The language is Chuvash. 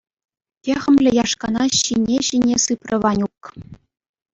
Техӗмлӗ яшкана ҫине-ҫине сыпрӗ Ванюк.